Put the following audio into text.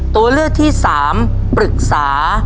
ตัวเลือกที่๓ปรึกษา